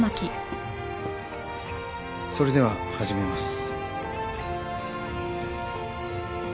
それでは始めます。